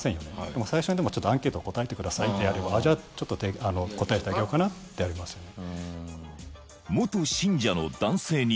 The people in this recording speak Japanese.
でも最初にアンケート答えてくださいってやればちょっと答えてあげようかなってなりますよね